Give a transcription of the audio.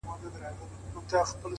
دا غرونه غرونه پـه واوښـتـل؛